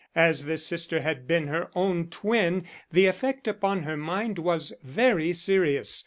As this sister had been her own twin the effect upon her mind was very serious.